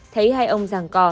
thấy hai ông ràng co